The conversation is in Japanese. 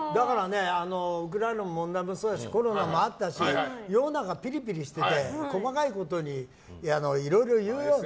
ウクライナもそうだしコロナもあったし世の中、ピリピリしてて細かいことにいろいろ言うように。